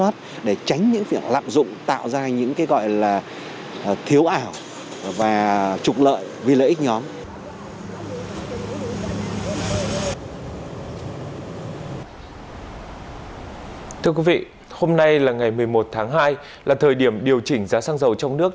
thưa quý vị hôm nay là ngày một mươi một tháng hai là thời điểm điều chỉnh giá xăng dầu trong nước